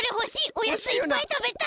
おやついっぱいたべたい！